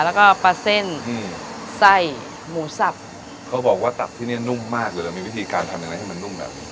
แล้วก็ปลาเส้นไส้หมูสับเขาบอกว่าตับที่นี่นุ่มมากหรือว่ามีวิธีการทำยังไงให้มันนุ่มมาก